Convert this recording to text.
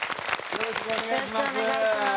よろしくお願いします。